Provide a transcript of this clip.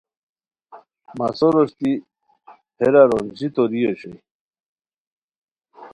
مسو روشتی بیرارونجی توری اوشوئے